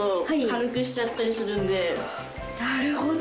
なるほど。